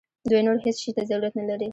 دوی نور هیڅ شي ته ضرورت نه لري.